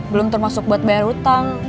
belum termasuk buat bayar utang